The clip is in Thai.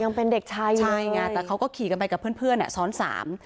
ยังเป็นเด็กชายอยู่ใช่ไงแต่เขาก็ขี่กันไปกับเพื่อนเพื่อนอ่ะซ้อนสาม